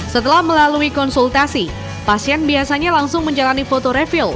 setelah melalui konsultasi pasien biasanya langsung menjalani foto refill